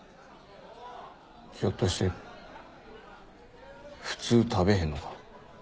ひょっとして普通食べへんのか？